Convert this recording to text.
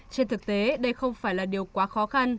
trên thực tế đây không phải là điều quá khó khăn